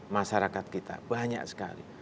masyarakat kita banyak sekali